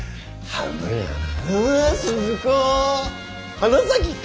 花咲か！